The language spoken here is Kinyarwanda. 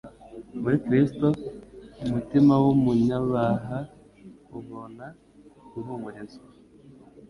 Muri Kristo umutima w'umunyabaha ubona guhumurizwa.